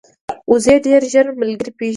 وزې ډېر ژر ملګري پېژني